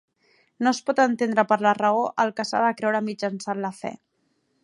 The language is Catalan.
No es pot entendre per la Raó el que s'ha de creure mitjançant la Fe.